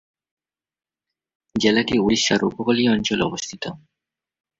জেলাটি ওড়িশার উপকূলীয় অঞ্চলে অবস্থিত।